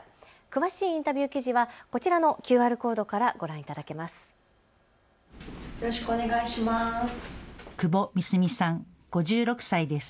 詳しいインタビュー記事はこちらのＱＲコードからご覧いただけます。